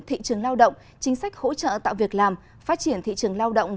thị trường lao động chính sách hỗ trợ tạo việc làm phát triển thị trường lao động